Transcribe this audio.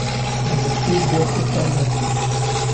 Разрешить доступ программе